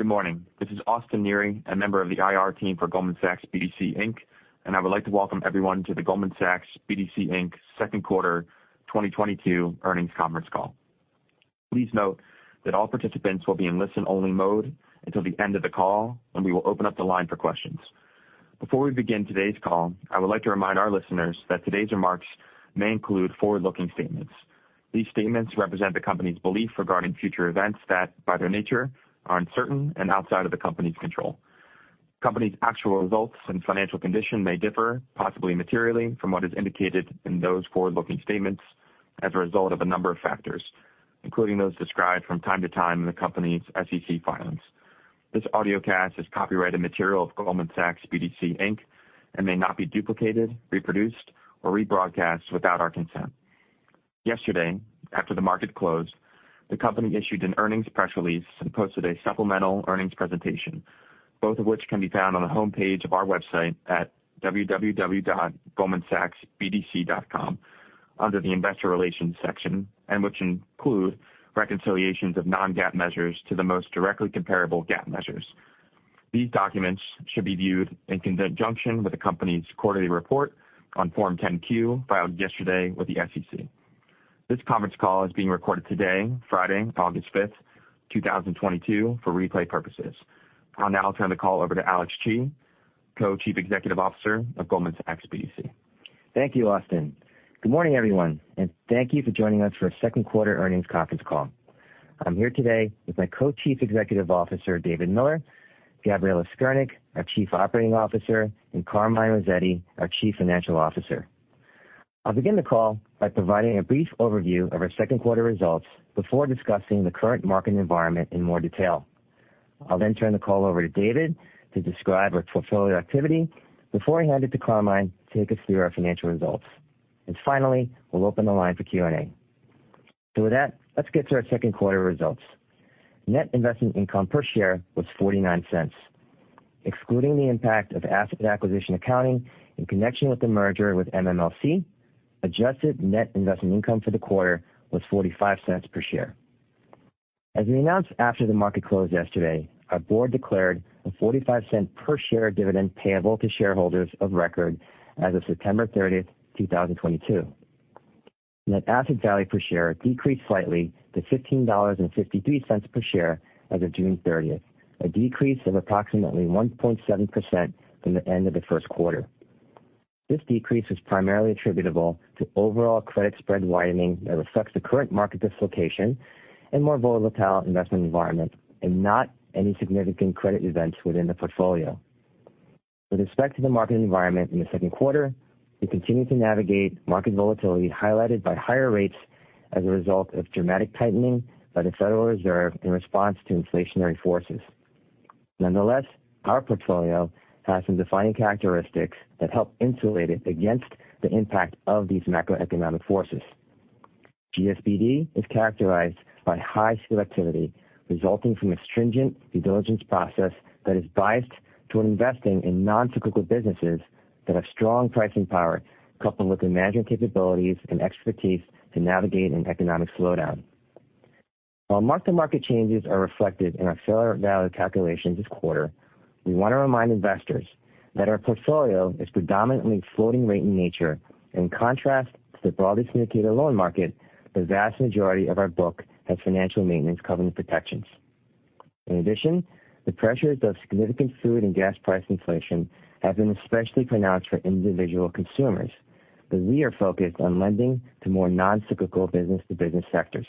Good morning. This is Austin Neri, a member of the IR team for Goldman Sachs BDC, Inc. I would like to welcome everyone to the Goldman Sachs BDC, Inc. second quarter 2022 earnings conference call. Please note that all participants will be in listen-only mode until the end of the call, when we will open up the line for questions. Before we begin today's call, I would like to remind our listeners that today's remarks may include forward-looking statements. These statements represent the company's belief regarding future events that, by their nature, are uncertain and outside of the company's control. The company's actual results and financial condition may differ, possibly materially, from what is indicated in those forward-looking statements as a result of a number of factors, including those described from time to time in the company's SEC filings. This audiocast is copyrighted material of Goldman Sachs BDC, Inc. This material may not be duplicated, reproduced or rebroadcast without our consent. Yesterday, after the market closed, the company issued an earnings press release and posted a supplemental earnings presentation, both of which can be found on the homepage of our website at www.goldmansachsbdc.com under the Investor Relations section and which include reconciliations of non-GAAP measures to the most directly comparable GAAP measures. These documents should be viewed in conjunction with the company's quarterly report on Form 10-Q filed yesterday with the SEC. This conference call is being recorded today, Friday, August 5, 2022, for replay purposes. I'll now turn the call over to Alex Chi, Co-Chief Executive Officer of Goldman Sachs BDC. Thank you, Austin. Good morning everyone and thank you for joining us for a second quarter earnings conference call. I'm here today with my Co-Chief Executive Officer, David Miller, Gabriella Skirnick, our Chief Operating Officer and Carmine Rossetti, our Chief Financial Officer. I'll begin the call by providing a brief overview of our second quarter results before discussing the current market environment in more detail. I'll then turn the call over to David to describe our portfolio activity before I hand it to Carmine to take us through our financial results. Finally, we'll open the line for Q&A. With that, let's get to our second quarter results. Net investment income per share was $0.49. Excluding the impact of asset acquisition accounting in connection with the merger with MMLC, adjusted net investment income for the quarter was $0.45 per share. As we announced after the market closed yesterday, our board declared a $0.45 per share dividend payable to shareholders of record as of September 30, 2022. Net asset value per share decreased slightly to $15.53 per share as of 30 June, a decrease of approximately 1.7% from the end of the first quarter. This decrease was primarily attributable to overall credit spread widening that reflects the current market dislocation and more volatile investment environment and not any significant credit events within the portfolio. With respect to the market environment in the second quarter, we continue to navigate market volatility highlighted by higher rates as a result of dramatic tightening by the Federal Reserve in response to inflationary forces. Nonetheless, our portfolio has some defining characteristics that help insulate it against the impact of these macroeconomic forces. GSBD is characterized by high selectivity resulting from a stringent due diligence process that is biased to investing in non-cyclical businesses that have strong pricing power, coupled with management capabilities and expertise to navigate an economic slowdown. While mark-to-market changes are reflected in our fair value calculation this quarter, we want to remind investors that our portfolio is predominantly floating rate in nature. In contrast to the broadly syndicated loan market, the vast majority of our book has financial maintenance covenant protections. In addition, the pressures of significant food and gas price inflation have been especially pronounced for individual consumers but we are focused on lending to more non-cyclical business-to-business sectors.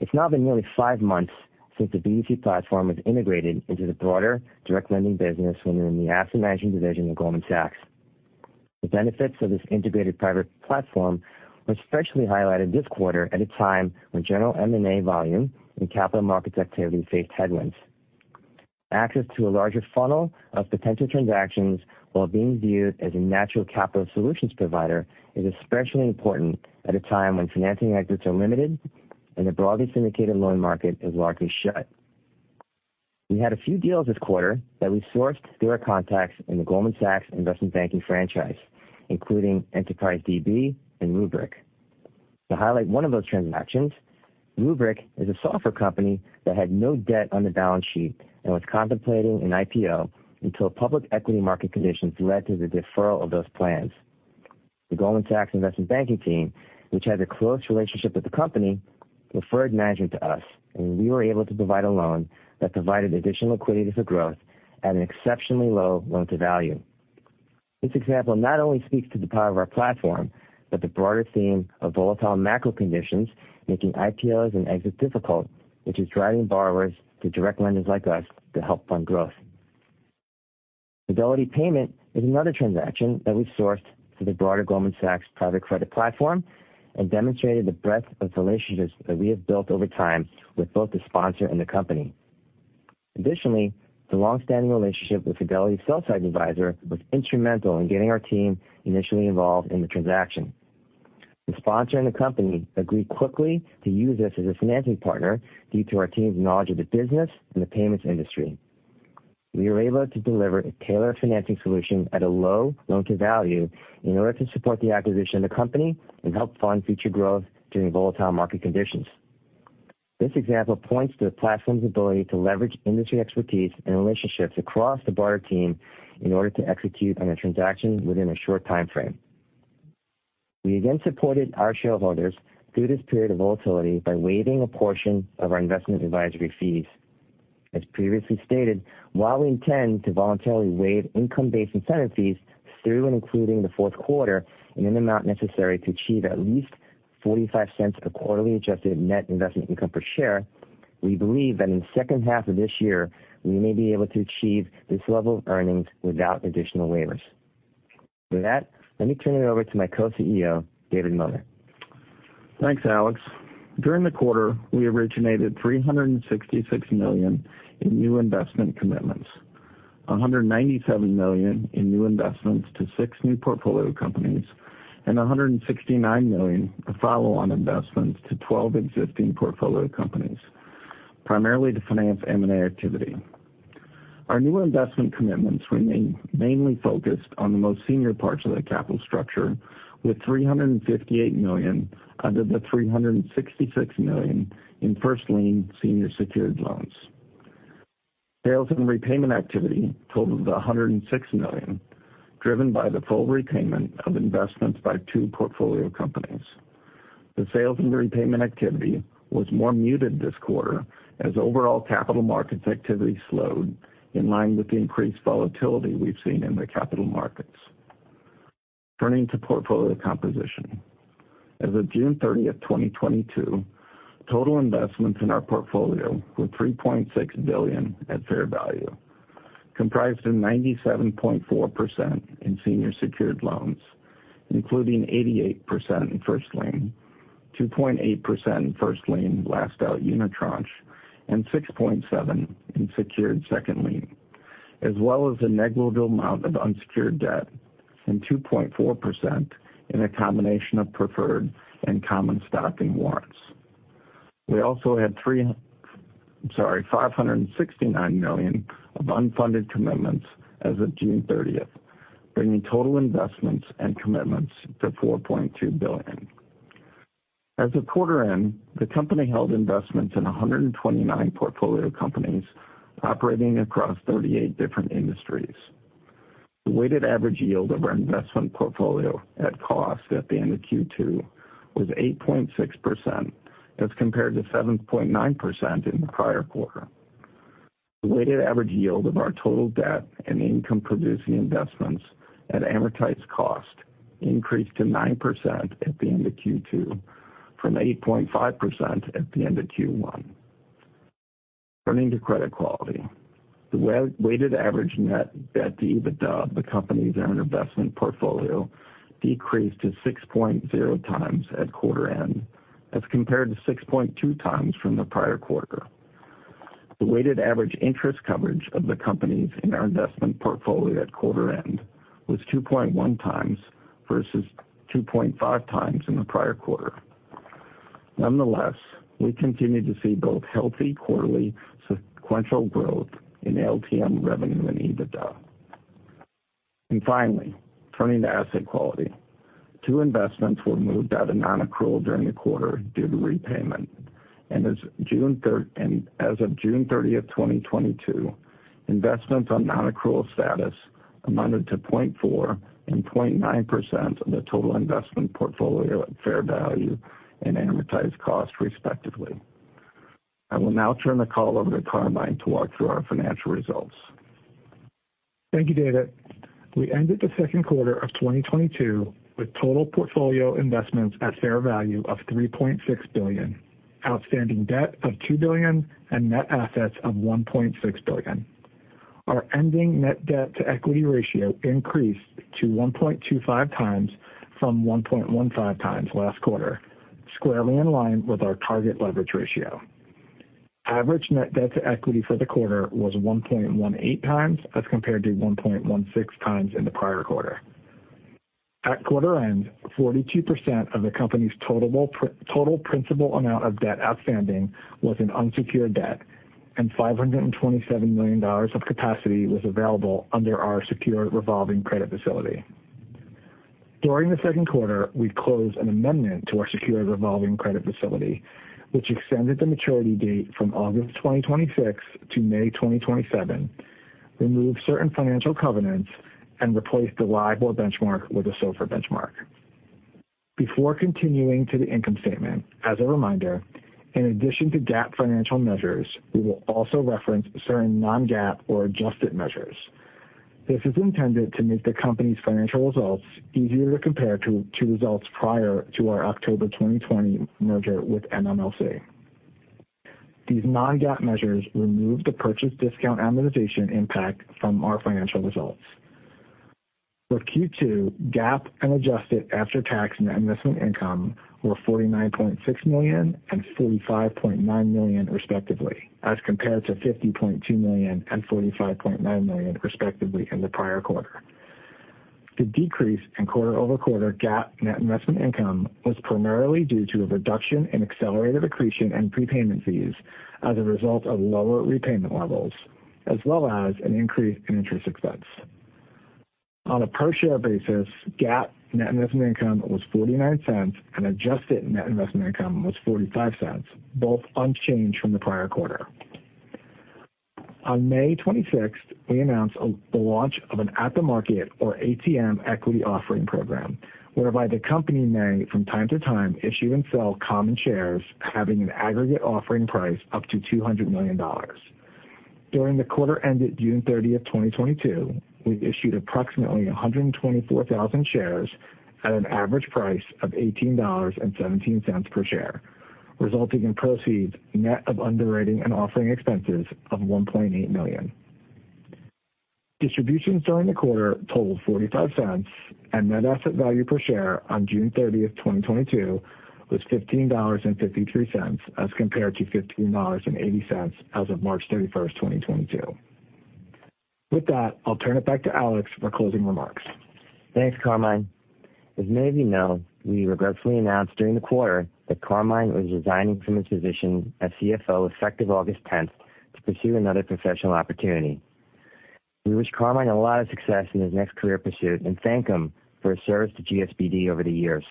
It's now been nearly five months since the BDC platform was integrated into the broader direct lending business within the asset management division of Goldman Sachs. The benefits of this integrated private platform were especially highlighted this quarter at a time when general M&A volume and capital markets activity faced headwinds. Access to a larger funnel of potential transactions while being viewed as a natural capital solutions provider is especially important at a time when financing exits are limited and the broadly syndicated loan market is largely shut. We had a few deals this quarter that we sourced through our contacts in the Goldman Sachs Investment Banking franchise, including EnterpriseDB and Rubrik. To highlight one of those transactions, Rubrik is a software company that had no debt on the balance sheet and was contemplating an IPO until public equity market conditions led to the deferral of those plans. The Goldman Sachs Investment Banking team, which has a close relationship with the company, referred management to us and we were able to provide a loan that provided additional liquidity for growth at an exceptionally low loan-to-value. This example not only speaks to the power of our platform but the broader theme of volatile macro conditions making IPOs and exits difficult, which is driving borrowers to direct lenders like us to help fund growth. Fidelity Payment Services is another transaction that we sourced through the broader Goldman Sachs private credit platform and demonstrated the breadth of relationships that we have built over time with both the sponsor and the company. Additionally, the long-standing relationship with Fidelity's sell-side advisor was instrumental in getting our team initially involved in the transaction. The sponsor and the company agreed quickly to use us as a financing partner due to our team's knowledge of the business and the payments industry. We were able to deliver a tailored financing solution at a low loan to value in order to support the acquisition of the company and help fund future growth during volatile market conditions. This example points to the platform's ability to leverage industry expertise and relationships across the broader team in order to execute on a transaction within a short time frame. We again supported our shareholders through this period of volatility by waiving a portion of our investment advisory fees. As previously stated, while we intend to voluntarily waive income-based incentive fees through and including the fourth quarter in an amount necessary to achieve at least $0.45 of quarterly adjusted net investment income per share, we believe that in the second half of this year, we may be able to achieve this level of earnings without additional waivers. With that, let me turn it over to my Co-CEO, David Miller. Thanks, Alex. During the quarter, we originated $366 million in new investment commitments, $197 million in new investments to six new portfolio companies and $169 million of follow-on investments to 12 existing portfolio companies, primarily to finance M&A activity. Our new investment commitments remain mainly focused on the most senior parts of the capital structure with $358 million under the $366 million in first lien senior secured loans. Sales and repayment activity totaled $106 million, driven by the full repayment of investments by two portfolio companies. The sales and repayment activity was more muted this quarter as overall capital markets activity slowed in line with the increased volatility we've seen in the capital markets. Turning to portfolio composition. As of 30 June 2022, total investments in our portfolio were $3.6 billion at fair value, comprised of 97.4% in senior secured loans, including 88% in first lien, 2.8% in first lien last out unitranche and 6.7% in secured second lien, as well as a negligible amount of unsecured debt and 2.4% in a combination of preferred and common stock and warrants. We also had $569 million of unfunded commitments as of 30 June, bringing total investments and commitments to $4.2 billion. As of quarter end, the company held investments in 129 portfolio companies operating across 38 different industries. The weighted average yield of our investment portfolio at cost at the end of Q2 was 8.6% as compared to 7.9% in the prior quarter. The weighted average yield of our total debt and income-producing investments at amortized cost increased to 9% at the end of Q2 from 8.5% at the end of Q1. Turning to credit quality. The weighted average net debt to EBITDA of the companies in our investment portfolio decreased to 6.0x at quarter end as compared to 6.2x from the prior quarter. The weighted average interest coverage of the companies in our investment portfolio at quarter end was 2.1x versus 2.5x in the prior quarter. Nonetheless, we continue to see both healthy quarterly sequential growth in LTM revenue and EBITDA. Finally, turning to asset quality. Two investments were moved out of non-accrual during the quarter due to repayment. As of 30 June 2022, investments on non-accrual status amounted to 0.4% and 0.9% of the total investment portfolio at fair value and amortized cost, respectively. I will now turn the call over to Carmine to walk through our financial results. Thank you, David. We ended the second quarter of 2022 with total portfolio investments at fair value of $3.6 billion, outstanding debt of $2 billion and net assets of $1.6 billion. Our ending net debt-to-equity ratio increased to 1.25 times from 1.15 times last quarter, squarely in line with our target leverage ratio. Average net debt-to-equity for the quarter was 1.18 times as compared to 1.16 times in the prior quarter. At quarter end, 42% of the company's total principal amount of debt outstanding was in unsecured debt and $527 million of capacity was available under our secured revolving credit facility. During the second quarter, we closed an amendment to our secure revolving credit facility, which extended the maturity date from August 2026 to May 2027, removed certain financial covenants and replaced the LIBOR benchmark with a SOFR benchmark. Before continuing to the income statement, as a reminder, in addition to GAAP financial measures, we will also reference certain non-GAAP or adjusted measures. This is intended to make the company's financial results easier to compare to results prior to our October 2020 merger with MMLC. These non-GAAP measures remove the purchase discount amortization impact from our financial results. For Q2, GAAP and adjusted after-tax net investment income were $49.6 million and $45.9 million, respectively, as compared to $50.2 million and $45.9 million, respectively, in the prior quarter. The decrease in quarter-over-quarter GAAP net investment income was primarily due to a reduction in accelerated accretion and prepayment fees as a result of lower repayment levels, as well as an increase in interest expense. On a per share basis, GAAP net investment income was $0.49 and adjusted net investment income was $0.45, both unchanged from the prior quarter. On 26 May, we announced the launch of an at-the-market or ATM equity offering program, whereby the company may, from time to time, issue and sell common shares having an aggregate offering price up to $200 million. During the quarter ended June 30, 2022, we've issued approximately 124,000 shares at an average price of $18.17 per share, resulting in proceeds net of underwriting and offering expenses of $1.8 million. Distributions during the quarter totaled $0.45 and net asset value per share on 30 June 2022 was $15.53, as compared to $15.80 as of 31 March 2022. With that, I'll turn it back to Alex for closing remarks. Thanks, Carmine. As many of you know, we regretfully announced during the quarter that Carmine was resigning from his position as CFO effective 10 August to pursue another professional opportunity. We wish Carmine a lot of success in his next career pursuit and thank him for his service to GSBD over the years.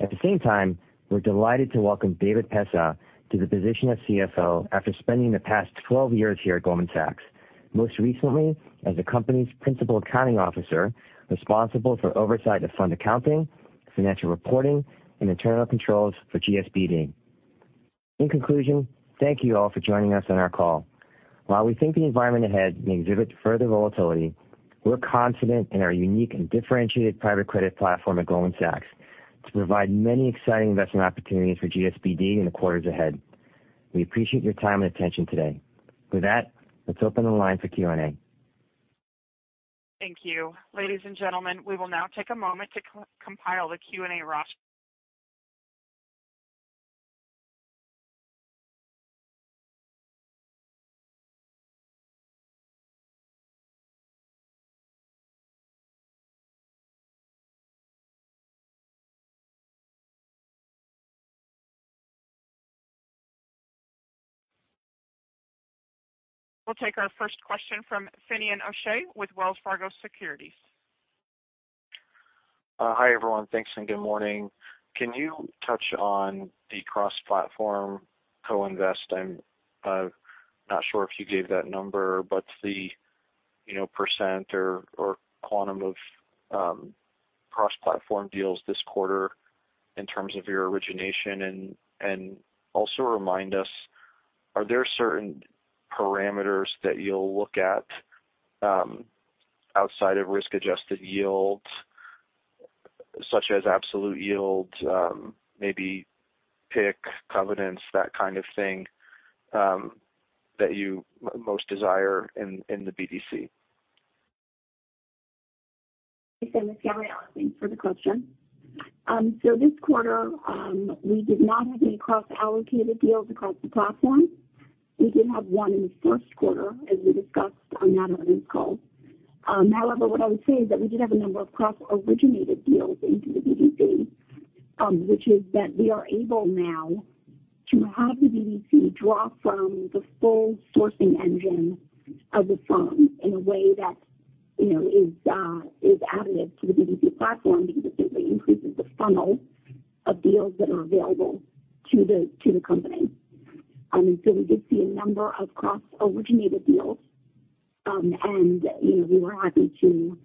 At the same time, we're delighted to welcome David Pessah to the position of CFO after spending the past 12 years here at Goldman Sachs, most recently as the company's principal accounting officer, responsible for oversight of fund accounting, financial reporting and internal controls for GSBD. In conclusion, thank you all for joining us on our call. While we think the environment ahead may exhibit further volatility, we're confident in our unique and differentiated private credit platform at Goldman Sachs to provide many exciting investment opportunities for GSBD in the quarters ahead. We appreciate your time and attention today. With that, let's open the line for Q&A. Thank you. Ladies and gentlemen, we will now take a moment to commence the Q&A portion. We'll take our first question from Finian O'Shea with Wells Fargo Securities. Hi, everyone. Thanks and good morning. Can you touch on the cross-platform co-invest? I'm not sure if you gave that number but the, you know, percent or quantum of cross-platform deals this quarter in terms of your origination. Also remind us, are there certain parameters that you'll look at outside of risk-adjusted yields, such as absolute yields, maybe PIK covenants, that kind of thing, that you most desire in the BDC? This is Gabriella. Thanks for the question. So this quarter, we did not have any cross-allocated deals across the platform. We did have one in the first quarter, as we discussed on that earnings call. However, what I would say is that we did have a number of cross-originated deals into the BDC, which is that we are able now to have the BDC draw from the full sourcing engine of the firm in a way that, you know, is additive to the BDC platform because it simply increases the funnel of deals that are available to the company. So we did see a number of cross-originated deals. You know, we were happy to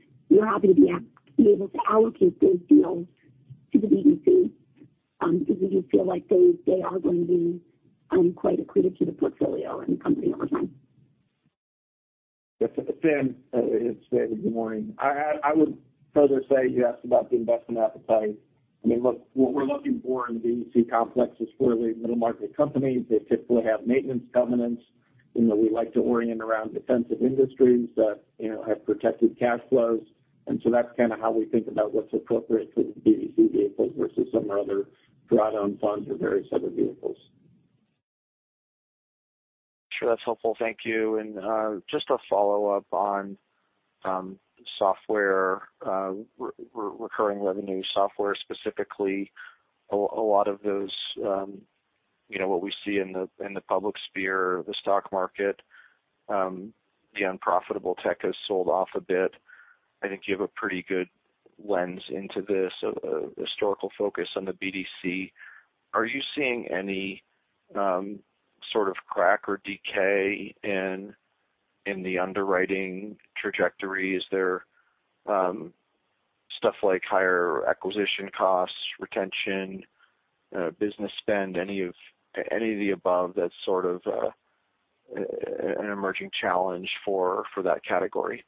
be able to allocate those deals to the BDC, because we feel like they are going to be quite accretive to the portfolio and the company over time. Yes. Finian, it's David. Good morning. I would further say you asked about the investment appetite. I mean, look, what we're looking for in the BDC complex is fairly middle market companies that typically have maintenance covenants. You know, we like to orient around defensive industries that, you know, have protected cash flows. That's kind of how we think about what's appropriate for the BDC vehicles versus some of our other platform funds or various other vehicles. Sure. That's helpful. Thank you. Just a follow-up on software, recurring revenue software specifically. A lot of those, you know, what we see in the public sphere, the stock market, the unprofitable tech has sold off a bit. I think you have a pretty good lens into this, historical focus on the BDC. Are you seeing any sort of crack or decay in the underwriting trajectory? Is there stuff like higher acquisition costs, retention, business spend, any of the above that's sort of an emerging challenge for that category?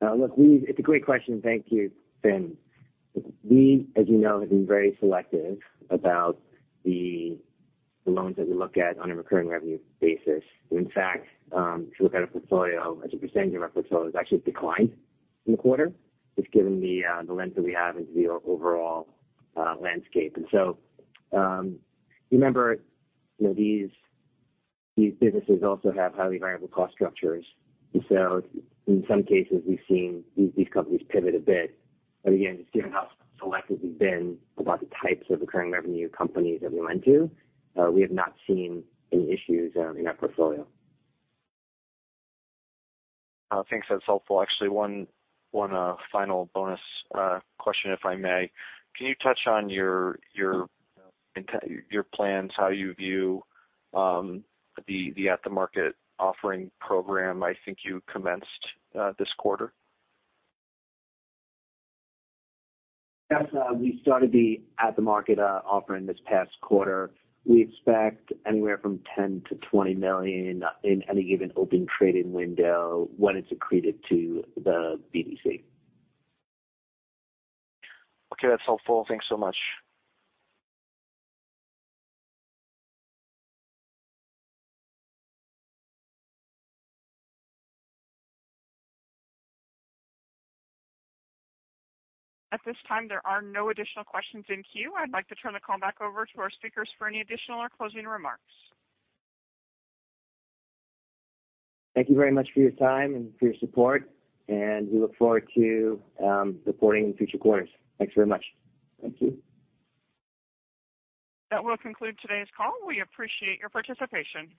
It's a great question. Thank you, Finian. We, as you know, have been very selective about the loans that we look at on a recurring revenue basis. In fact, if you look at our portfolio as a percentage of our portfolio, it's actually declined in the quarter, just given the lens that we have into the overall landscape. Remember, you know, these businesses also have highly variable cost structures. In some cases, we've seen these companies pivot a bit. Again, just given how selective we've been about the types of recurring revenue companies that we lend to, we have not seen any issues in our portfolio. Thanks. That's helpful. Actually, one final bonus question, if I may. Can you touch on your plans, how you view the at-the-market offering program I think you commenced this quarter? Yes, we started the at-the-market offering this past quarter. We expect anywhere from $10 million to $20 million in any given open trading window when it's accreted to the BDC. Okay. That's helpful. Thanks so much. At this time, there are no additional questions in queue. I'd like to turn the call back over to our speakers for any additional or closing remarks. Thank you very much for your time and for your support and we look forward to reporting in future quarters. Thanks very much. Thank you. That will conclude today's call. We appreciate your participation.